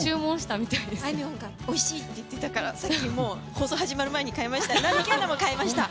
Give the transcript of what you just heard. あいみょんがおいしいって言ってたからさっき、放送始まる前に買いました。